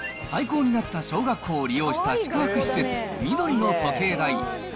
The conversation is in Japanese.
廃校になった小学校を利用した宿泊施設、みどりの時計台。